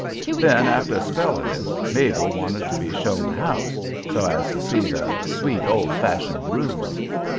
Then, after a spell of this, Mabel wanted to be shown the house, so as to see the "sweet, old fashioned rooms."